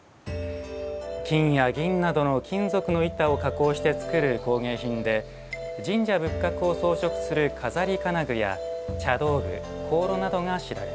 金や銀などの金属の板を加工して作る工芸品で神社仏閣を装飾する錺金具や茶道具香炉などが知られます。